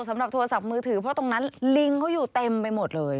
สำหรับโทรศัพท์มือถือเพราะตรงนั้นลิงเขาอยู่เต็มไปหมดเลย